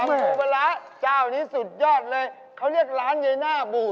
ตำปูไปร้าจ้านี้สุดยอดเลยเค้าเรียกล้านเยยน่าบุธ